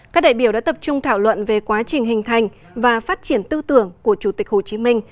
các đại biểu đã tập trung thảo luận về quá trình hình thành và phát triển tư tưởng của chủ tịch hồ chí minh